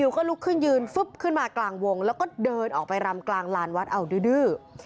ก็ลุกขึ้นยืนฟึ๊บขึ้นมากลางวงแล้วก็เดินออกไปรำกลางลานวัดเอาดื้อ